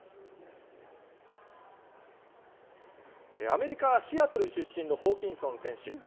アメリカ・シアトル出身のホーキンソン選手。